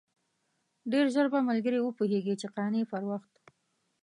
ډېر ژر به ملګري وپوهېږي چې قانع پر وخت.